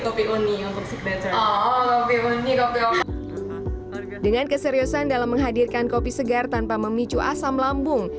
kopi uni yang bersih dengan keseriusan dalam menghadirkan kopi segar tanpa memicu asam lambung